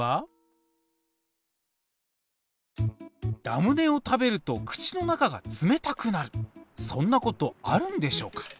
ラムネを食べると口の中が冷たくなるそんなことあるんでしょうか。